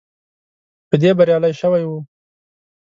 په دې بریالی شوی وو.